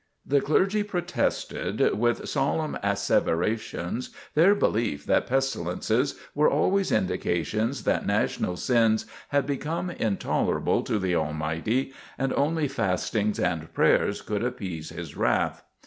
The clergy protested with solemn asseverations their belief that pestilences were always indications that national sins had become intolerable to the Almighty, and only fastings and prayers could appease His wrath.